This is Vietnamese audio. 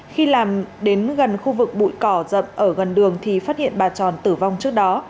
khi làm đến gần khu vực bụi cỏ dập ở gần đường thì phát hiện bà tròn tử vong trước đó